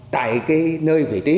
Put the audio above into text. tại cái nơi vị trí